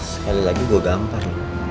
sekali lagi gue gampar